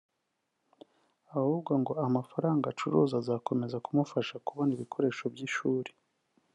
Ahubwo ngo amafaranga acuruza azakomeza kumufasha kubona ibikoresho by’ishuri